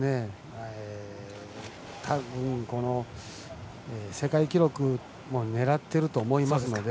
たぶん世界記録も狙っていると思いますので。